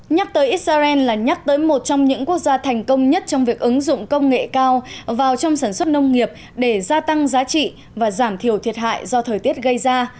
nhắc tới israel là nhắc tới một trong những quốc gia thành công nhất trong việc ứng dụng công nghệ cao vào trong sản xuất nông nghiệp để gia tăng giá trị và giảm thiểu thiệt hại do thời tiết gây ra